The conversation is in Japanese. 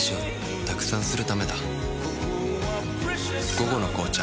「午後の紅茶」